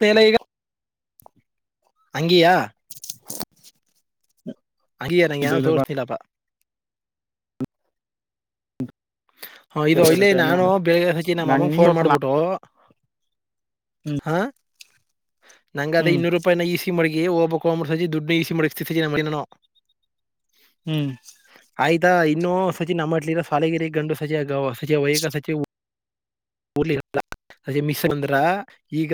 ಸೇಲೆ ಈಗ ಹಂಗಯಾ ಅಯ್ಯ ನಂಗೆ ಇಲ್ಲ ಯಾರೋ ಇಲ್ಲ ತೋರ್ಲ್ಲಪ್ಪ ಹಾ ಇದು ಇಲ್ಲ ನಾನು ಬೆಳಿಗ್ಗೆ ಹಚಿ ನಮ್ಮ ನಂಗ ಅಮ್ಮಾಗ ನೀನ್ ಫೋನ್ ತೋರ್ಸಲ್ಲ ಮಾಡ್ಬಿಟ್ಟು ಹ್ಮ್ ನಂದ ಹ್ಮ್ ಇನ್ನೂರು ನ ಈಸಿ ಮಿ ಓಬ ಸಜಿ ಡ್ನ್ನ ಈಸಿ ಮಜ [unintelligible] ಹ್ಞೂ ಆಯ್ತಾ ಇನ್ನುಸಚಿ ನಮ್ಮಟ್ಲಿರ ಶಾಲಗಿರಿ ಗಂಡು ಸಚಿವ ಗ ಸಚಿವ ವಯಿಕ ಸಚಿವ ಹುರ್ಲಿ ಹ ಇರಲ್ಲ ಸಜಿ ಮಿಸ್ ಅಂದ್ರ ಈಗ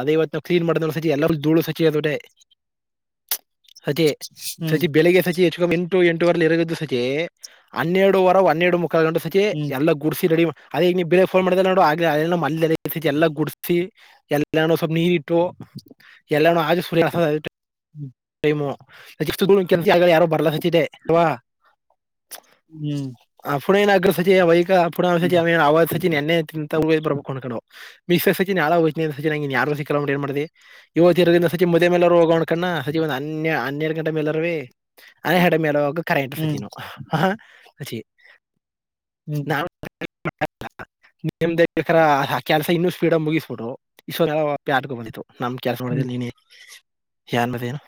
ಅದೇವತ್ ನಾವ ಕ್ಲೀನ್ ಮಾಡ್ದ ಸಜಿ ಎಲ್ಲ ಧೂಳು ಸಜಚಿ ಅದವ್ರೆ [unintelligible] ಅದೇ ಹ್ಮ್ ಸತಿ ಬೆಳಿಗ್ಗೆ ಸಜ ಎಂಟು ಎಂಟುವರೆಲ್ಲಿ ಇರಗಿದ್ದು ಸಜೆ ಹನ್ನೆರಡು ವರ ಹನ್ನೆರಡು ಮುಕ್ಕಾ ಗಂಟು ಸಜೆ ಹ್ಮ್ ಎಲ್ಲ ಗ ಗುಡ್ಸಿ ರಡಿ ಅದ ಈಗ ನೀ ಬೇರೆ ಫೋನ್ ಮಾಡಿದ ನೋಡು ಆಗ್ಲಮಲ್ಲಿ ಎಲ್ಲ ಗುಡ್ಸಿ ಎಲ್ಲ ಸ್ವಲ್ಪ ನೀರಿ ಇಟ್ಟು ಎಲ್ಲ ಆ ಸು ಹ್ಮ್ ಟೈ ಯಾರೋ ಬರ್ಲಿದೆವಾ [unintelligible] ಹ್ಮ್ ಪುಣನ ಅಗ್ರಸಚೇ ವೈಕ ಹ್ಮ್ ಪುನಃಸಚೇ ಅವ ಎೆಂತ [unintelligible] ಬರ್ಬೇಕು್ಕೊಂಡು ಮಿ ಸಚನ್ ಯಾರುಲ ಏನ್ ಮಾಡಿದೆ ಇವತ್ತು ಇರದಿಂದ ಸಜಿ ಮುದೆ ಮೇಲವರು ಹೋಗೋಣ್ಕಣ್ಣ ಸಜಿ ಒಂದ ಹನ್ನ ಹನ್ನೆರಡು ಗಂಟೆ ಮೇಲರೇ ಆ ಹಡೆ ಮೇಲ ಹೋಗ ಕರೆ ಇಟರು ಹ್ಮ್ ಸಚೀನು ಹ ಸಚೀನ್ ಹ್ಮ್ ನಾ [unintelligible] ನಿಮ [unintelligible] ದೈ ಕೆಲಸ ಇನ್ನೂ ಸ್ಪೀಡ್ ಮುಗಿಸ್ಬಿಟ್ಟು್ [unintelligible] ಯಾಕ ಬು ನಮ ಕೆಲ್ಸ ನೋಡಿದು ಹ್ಮ್ ನೀನೆ [unintelligible] ಯನ್ ಮತ್ತೇನು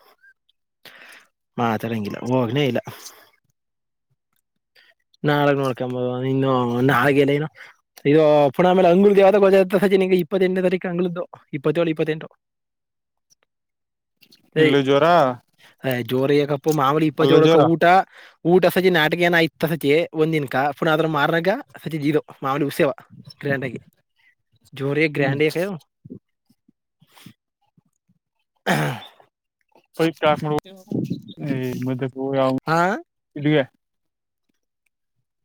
ಮಾತಾಡಂಗಿಲ್ಲ ಹೋಗ್ನೇ ಇಲ್ಲ ನಾಳಗ್ ನೋಡ್ಕೊಂಬೋದು ಇನ್ನು ನಾಳಗ ಏನೇನೋ. ಇದು ಪುಣ [unintelligible] ಆಲೆಂಳ ದೇವದಾಗ ಗೋ ಸಜೆಂ ಇಪ್ಪತ್ತೆಂನೇ ತಾರೀಕ ಅಂಗಗಳದು ಇಪ್ಪತ್ತೇಳು ಇಪ್ಪತ್ತೆಂಟು [inaudible] ರೆ ಇಲ್ಲೂ ಜೋರ ರ್ಹೈ ಜೋರಕಪ್ಪ ಮಾಮಲಿ ಅಲ್ಲೂ ಇಪ್ಪತ್ತೆಳುಕ ಜೋರ ಊಟಾ. ಊಟ ಸಜಿ ನಾಟಕಯನ ಆಯತ ಸಚಿ ಒಂದಿನಕ ಪುನ ಅದ್ರ ಮಾರ್ನಾಗ ಸಚಿದ ಇದ ಮಾಮಲಿ ಉಸ್ಯವ ಗ್ರ್ಯಾಂಡ ಜೋರಿ ಹ್ಮ್ ಗ್ರ್ಯಾಂಡ ಕ ಹಾ ಹಾ [unintelligible]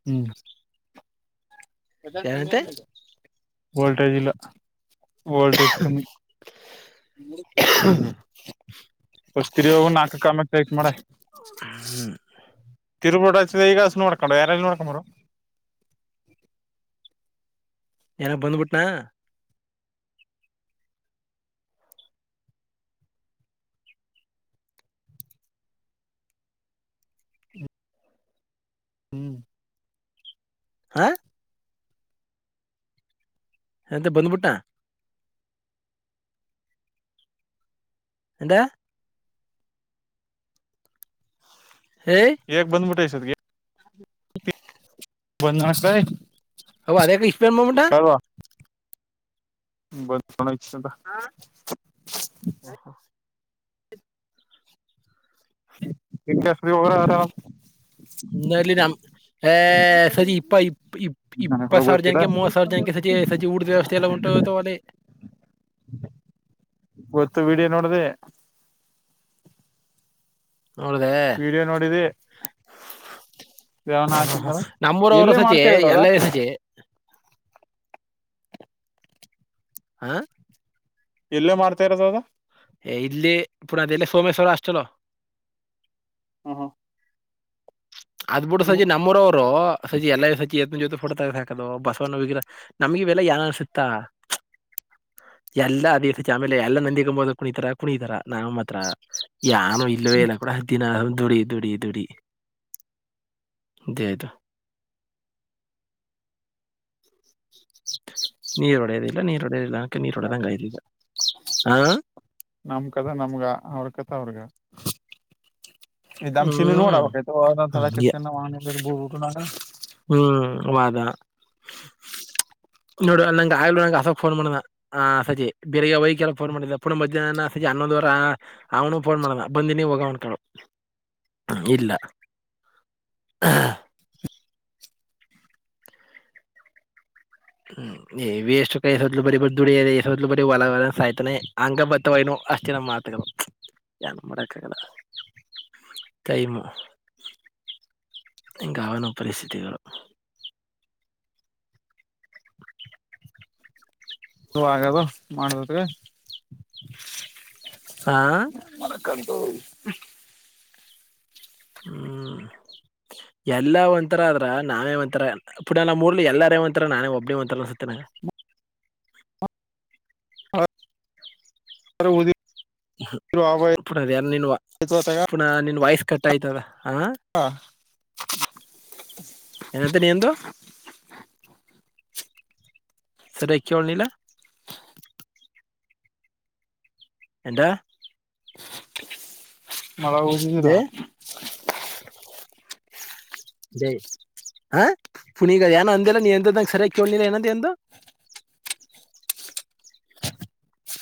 ಹ್ಮ್. ಏನಂತೆ ವೋಲ್ಟೇಜ್ ಇಲ್ಲ. ವೋಲ್ಟೇಜ್ [inaudible] [unintelligible] ಹ್ಮ್. ತಿರುುರ್ ಈಗ ನೋಡ್ಕೊಂಡು ಯಾರಲ್ಲಲ್ಲಿ ನೋಕೊಂಡ್ರು. ಏನ ಬಂದ್ಬಿಟ್ನಾ, ಹ್ಮ್. ಹಾ, ಎದ ಬದ್ಬಿಟ್ಟಾ. ಎಂದಯಾ, ಹೇ, ಹೇಗ್ ಬಂದ್ಬಟ್ಟೆ ಇಷ್ಟತ್ಗೆ. ಬಂದ್ ನಷ್ಟ ಅವ್ ಅದೇಗ ಇಸ್ಟ್ ಬೇಗ ಬಂದ್ಬಟ್ಟ. [unintelligible] [inaudible] [unintelligible] ಇನ್ನಲೆ ಹೇ ಸರಿ ಇಪ್ಪ ಇಪ್ಪ ಇಪ್ ನನಗ್ ಕೂಡ ಇಪ್ಪತ್ತು ಸಾವಿರ ಗೊತ್ತಿಲ್ಲ ಜನಕ್ಕೆ ಮೂವತ್ ಸಾವಿರ ಜನಕ್ಕೆ ಸಚಿ ಸಜಿ ಊಟದ ವ್ಯವಸ್ಥೆಲ್ಲಂಟು ಅಲ್ಲಿ. ಗೊತ್ತು ವಿಡಿಯೋ ನೋಡದೆ. ನೋಡ್ದೆ. ವಿಡಿಯೋ ನೋಡಿದೇ ಹಾ ಹಾ ಹಾ ನಮ್ಮೂರವರು ಸತಿ ಎಲ್ಲ ಸತಿ [unintelligible] ಹಾ, ಎಲ್ಲೇ ಮಾಡ್ತಾ ಇರೋದ ಅದ ಹೇ ಇಲ್ಲಿ ಪುರಾ ಅದೆೇಲ್ಲೆ ಸೋಮೇಶ್ವರ ಹಾಸ್ಟೆಲ್ಲೂ. ಹ್ಮ್ ಅದ್ ಬಿಡ್ ಹಿಂಗು ಸಜಿ ನಮ್ಮೂರವ್ರು ಸಜಿ ಎಲ್ಲ ಸಜಿ ಎತ್ನ ಜೊತೆ ಫೋಟೊ ತೆಗ್ದ್ ಹಾಕೋದು ಬಸವನ ವಿಗ್ರಹ. ನಮ್ಗವೆಲ್ಲ ಏನ್ ಅನ್ಸುತ್ತಾ [unintelligible] ಯಾನು ಇಲ್ಲವೇ ಇಲ್ಲ ಕೂಡ ದಿನ ದುಡಿ ದುಡಿ ದುಡಿ. [unintelligible] ನೀರು ಒಡೆಯೋದಿಲ್ಲ ನೀರ್ ಒಡೆಯೋದಿಲ್ಲ ಅದ್ಕಕೆ ನೀರ್ ಆಗ್ಲಿಲ್ಲ. ನಮ ಕಥ ನಮ್ಗ ಅವ್ರ ಕಥ ಅವ್ರಗ. ಹ್ಮ್ ಹಂಗೆ [unintelligible] ಹ್ಮ್ ವಾದ. [inaudible] [unintelligible] ಫೋನ್ ಮಾಡ್ದ. ಹಾ ಸಜೆ ಬೇರೆಗ್ ಹೋಗಕ ಎಲ್ಲ ಫೋನ್ ಮಾಡಿದ್ದ ಪುನಃ ಮಧ್ಯಾಹ್ನ ಸಜೆ ಹನ್ನೊಂದ ವರ, ಅವನು ಫೋನ್ ಮಾಡ್ದ ಬಂದಿನಿ ಹೋಗ [unintelligible] ಇಲ್ಲ [inaudible] [inaudible] ನೀ ವ ಎಷ್ಟಕ ಸೊದಲು ಬಡಿ ದುಡಿ ಸೊದಲು ಬಡಿ ಹೊಲ [unintelligible] [unintelligible] ಯಾನು ಮಾಡಕ್ಕ ಆಗಲ್ಲ ಟೈಮು. ಹಗಾವನೋ ಪರಿಸ್ಥಿತಿಗಳು ನೀ ಆಗದು ಮಾಡುದತ್ ಹಾ ಮನ ಕಂತುಿ ಹ್ಮ್ ಎಲ್ಲಾ ಒಂಥರ ಆದ್ರ ನಾವೇ ಒಂಥರ ಇು ನಮ್ಮ ಮೂರ್ಲಿ ಎಲ್ಲಾರ ಒಂಂತರ ನಾನೇ ಒಬ್ಬಿ ಒಂಂತರನಸುತ್ತೇನೆ ದ ಪುನಃ ಯಾರ ನಿನ್ ಆಯ್ತು ಅತ್ತಾಗ ಪುನಃ ನಿನ್ ವಾಯ್ಸ್ ಕಟ್ ಆಯ್ತವದ ಹ ಹಾಂ ಏನಂತ ನೀಂದು ಸರ ಕ ಅಲಿಲ್ಲಾ ಎಂತ ಮಳ ಊಷರ ದೇ ಜೈ ಹ ಪುನೀಗ ಏನ ಅಂದಲ್ಲ ನೀ ಎಂತಂಗಗೆ ಸರಿಯಾಗಿ ಕೇಳಳ್ಲಿಲ್ಲ ಏನಂತ ಎಂದು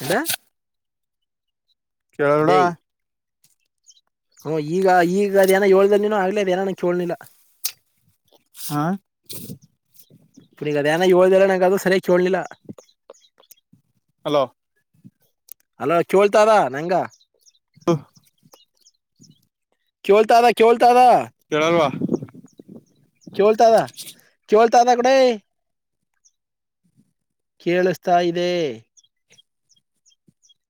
ಎಂತಾ ಕೆರಳ ಹ ಈಗ ಈಗ ಅದೇಏನೋ ಹೇಳ್ದ ನೀನು ಆಗ್ಲ ಅ ಏನಾನ ಕೇಳಳ್ಲಿಲ್ಲ ಹಾ ಪು ಅದ ಏನ ಏಳ್ ಲ್ಲ ನಂ ಅದು ಸರಿಯಾಗಿ ಕೇಳ್ಲಿಲ್ಲ ಹಲೋ ಅಲೋ ಚೋಳ್ತಾರ ನಂಗ ಹಾ ಕವಳ್ತಾಾದಾ ಕವಳ್ತಾದಾ ಕೆೇಳಲ್ವಾ ಕೇಳ್ತದ ಕವಳ್ತದ ಕೂಡ ಕೇಳಿಸ್ತಾ ಇದೆ